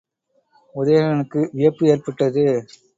உதயணனுக்கு வியப்பு ஏற்பட்டது.